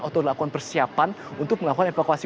atau dilakukan persiapan untuk melakukan evakuasi